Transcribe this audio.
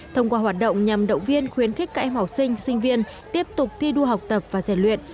thông qua hoạt động nhằm động viên khuyến khích các em học sinh sinh viên tiếp tục thi đua học tập và giải luyện